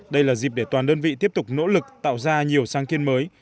đây là dịp để toàn đơn vị tiếp tục nỗ lực tạo ra nhiều sáng kiên mới